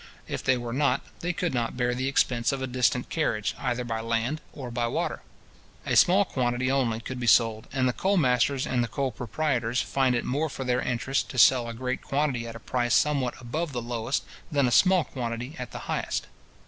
If they were not, they could not bear the expense of a distant carriage, either by land or by water. A small quantity only could be sold; and the coal masters and the coal proprietors find it more for their interest to sell a great quantity at a price somewhat above the lowest, than a small quantity at the highest.